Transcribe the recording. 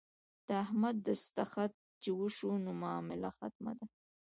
د احمد دستخط چې وشو نو معامله ختمه ده.